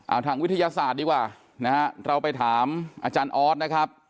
เอาทางวิทยาศาสตร์ดีกว่าเราไปถามอออสนะครับ